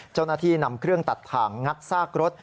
เจ้าหน้าที่นำเครื่องตัดถ่างงัดซากรถ